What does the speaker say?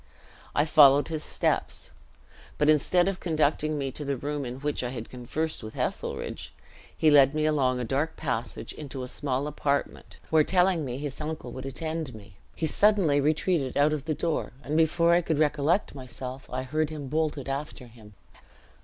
I followed his steps; but instead of conducting me to the room in which I had conversed with Heselrigge, he led me along a dark passage into a small apartment, where telling me his uncle would attend me, he suddenly retreated out of the door, and before I could recollect myself I heard him bolt it after him.